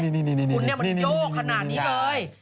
คุณนี่มันโยกขนาดนี้เลย